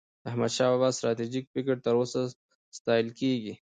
د احمدشاه بابا ستراتیژيک فکر تر اوسه ستایل کېږي.